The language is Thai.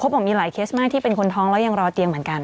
บอกมีหลายเคสมากที่เป็นคนท้องแล้วยังรอเตียงเหมือนกัน